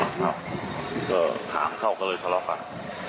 สล๊อคก็เข้าก็เลยสล๊อกกัน